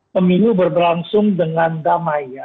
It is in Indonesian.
pemilu berberlangsung dengan damai ya